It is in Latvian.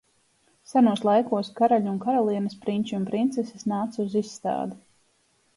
Senos laikos karaļi un karalienes, prinči un princeses nāca uz izstādi.